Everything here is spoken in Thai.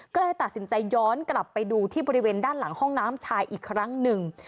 ก็เลยตัดสินใจย้อนกลับไปดูที่บริเวณด้านหลังห้องน้ำชายอีกครั้งหนึ่ง